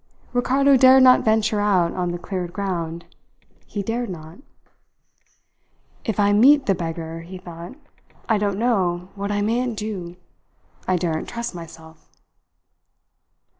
Ricardo dared not venture out on the cleared ground. He dared not. "If I meet the beggar," he thought, "I don't know what I mayn't do. I daren't trust myself."